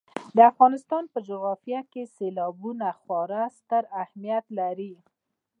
د افغانستان په جغرافیه کې سیلابونه خورا ستر اهمیت لري.